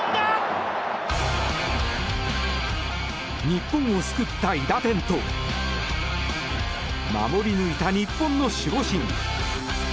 日本を救った韋駄天と守り抜いた日本の守護神。